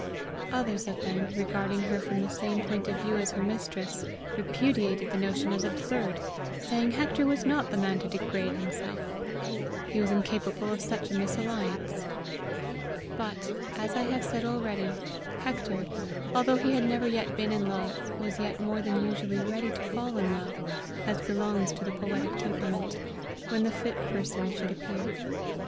Others of them, regarding her from the same point of view as her mistress, repudiated the notion as absurd, saying Hector was not the man to degrade himself! He was incapable of such a misalliance. But, as I have said already, Hector, although he had never yet been in love, was yet more than usually ready to fall in love, as belongs to the poetic temperament, when the fit person should appear.